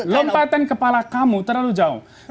lompatan kepala kamu terlalu jauh